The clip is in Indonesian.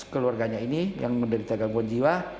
keluarganya ini yang menderita gangguan jiwa